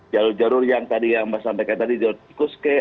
jalur jalur yang tadi yang mas sampaikan tadi jalur tikus ke